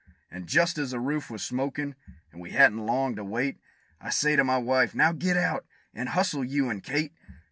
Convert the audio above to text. And just as the roof was smokin', and we hadn't long to wait, I says to my wife, "Now get out, and hustle, you and Kate!"